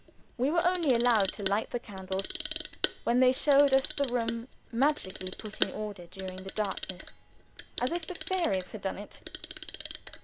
We were only allowed to light the candles when they showed us the room magically put in order during the darkness as if the fairies had done it.